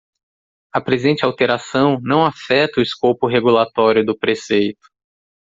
A presente alteração não afeta o escopo regulatório do preceito.